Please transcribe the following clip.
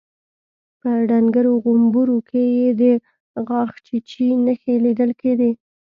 په ډنګرو غومبرو کې يې د غاښچيچي نښې ليدل کېدې.